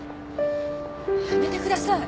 やめてください！